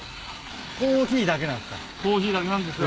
コーヒーだけなんですか？